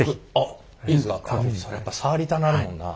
やっぱ触りたなるもんな。